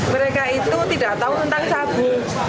mereka itu tidak tahu tentang sabu